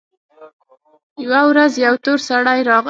يوه ورځ يو تور سړى راغى.